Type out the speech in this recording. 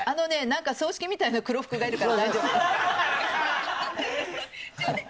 葬式みたいな黒服がいるから大丈夫！